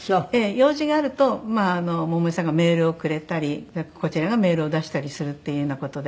用事があると百恵さんがメールをくれたりこちらがメールを出したりするっていうような事で。